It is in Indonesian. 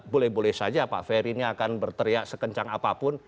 boleh boleh saja pak ferry ini akan berteriak sekencang apapun